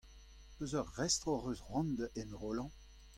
Peseurt restr hocʼh eus cʼhoant da enrollañ ?